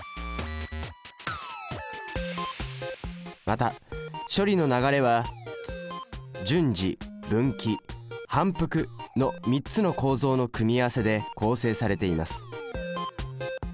また処理の流れは「順次」「分岐」「反復」の３つの構造の組み合わせで構成されています。